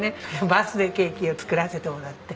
バースデーケーキを作らせてもらって。